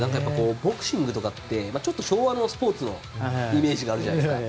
ボクシングとかってちょっと昭和のスポーツのイメージがあるじゃないですか。